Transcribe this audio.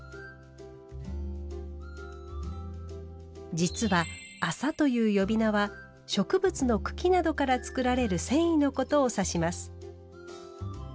実は「麻」という呼び名は植物の茎などから作られる繊維のことを指します。